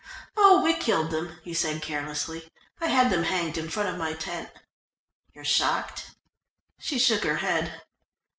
"Oh, we killed them," he said carelessly. "I had them hanged in front of my tent. You're shocked?" She shook her head.